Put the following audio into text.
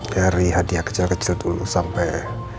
dari hadiah kecil kecil dulu sampai